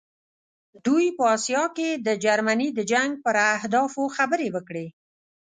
دوی په آسیا کې د جرمني د جنګ پر اهدافو خبرې وکړې.